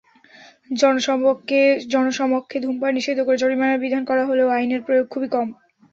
জনসমক্ষে ধূমপান নিষিদ্ধ করে জরিমানার বিধান করা হলেও আইনের প্রয়োগ খুবই কম।